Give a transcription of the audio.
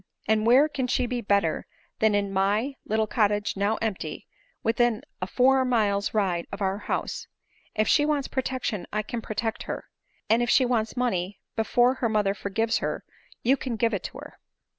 And where can she be better than in my little cottage now empty, within a four miles ride of our house ? If she wants pro tection, I can protect her ; and if she wants money be fore her mother forgives her, you can give it to her."